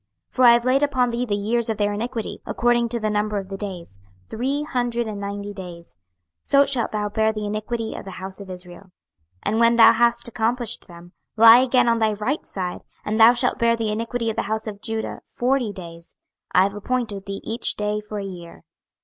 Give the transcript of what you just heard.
26:004:005 For I have laid upon thee the years of their iniquity, according to the number of the days, three hundred and ninety days: so shalt thou bear the iniquity of the house of Israel. 26:004:006 And when thou hast accomplished them, lie again on thy right side, and thou shalt bear the iniquity of the house of Judah forty days: I have appointed thee each day for a year.